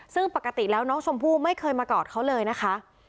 ซึ่งปกติแล้วน้องชมพู่ไม่เคยมากอดเขาเลยนะคะ